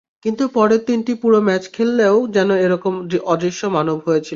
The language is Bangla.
কিন্তু পরের তিনটিতে পুরো ম্যাচ খেলেও যেন একরকম অদৃশ্য মানব হয়ে ছিলেন।